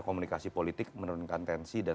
komunikasi politik menurunkan tensi dan